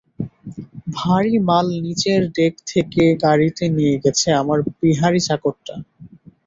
ভারি মাল নিচের ডেক থেকে গাড়িতে নিয়ে গেছে আমার বিহারী চাকরটা।